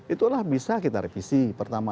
itulah bisa kita revisi pertama